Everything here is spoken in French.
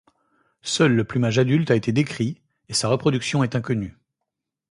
Seul le plumage adulte a été décrit, et sa reproduction est inconnue.